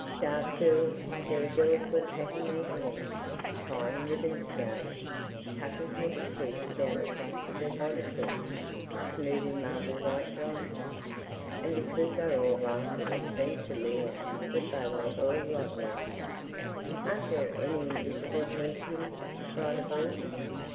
Dark girls, fair girls were patting their hair, tying ribbons again, tucking handkerchiefs down the fronts of their bodices, smoothing marble white gloves. And because they were all laughing it seemed to Leila that they were all lovely. "Aren't there any invisible hair pins?" cried a voice.